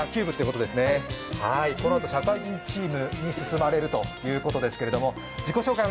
このあと社会人チームに進まれるということですけれども自己紹介